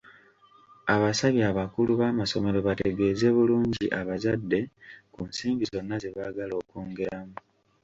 Abasabye abakulu b'amasomero bategeeze bulungi abazadde ku nsimbi zonna ze baagala okwongeramu.